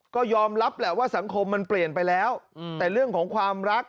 ก็ยอมรับแหละว่าสังคมมันเปลี่ยนไปแล้วแต่เรื่องของความรัก